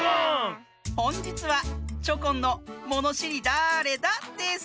ほんじつはチョコンの「ものしりだれだ？」です。